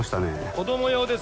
子供用です。